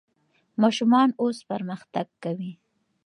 ماشومان اوس پرمختګ کوي.